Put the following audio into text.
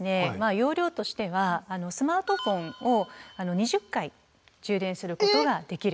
容量としてはスマートフォンを２０回充電することができるんです。